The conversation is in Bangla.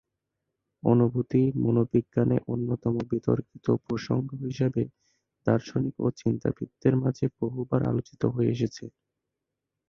অনুভূতি, মনোবিজ্ঞানে অন্যতম বিতর্কিত প্রসঙ্গ হিসেবে দার্শনিক ও চিন্তাবিদদের মাঝে বহুবার আলোচিত হয়ে এসেছে।